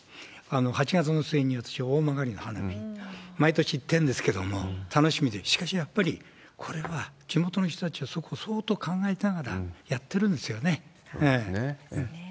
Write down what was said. ８月の末に、私、大曲の花火、私、毎年行ってるんですけれども、楽しみで、しかし、やっぱりこれは地元の人たちはそこを相当考えながらやってるんでそうですね。